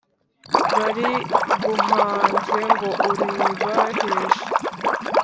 Bariguhanze ngo uribaheshe